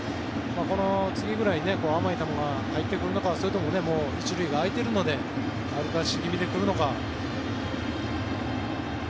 この次ぐらいに甘い球が入ってくるのかそれとも１塁が空いているので歩かせ気味で来るのか。